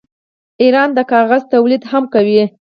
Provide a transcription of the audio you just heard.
ایران د کاغذ تولید هم کوي.